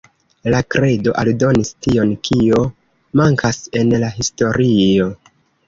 La kredo aldonis tion kio mankas en la historio.